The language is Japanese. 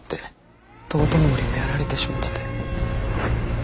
道頓堀もやられてしもたて。